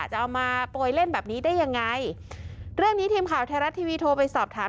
จะเอามาโปรยเล่นแบบนี้ได้ยังไงเรื่องนี้ทีมข่าวไทยรัฐทีวีโทรไปสอบถาม